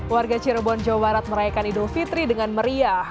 warga cirebon jawa barat merayakan idul fitri dengan meriah